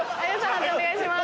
判定お願いします。